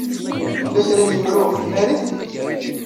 Yella kra n yemru ɣef tnarit?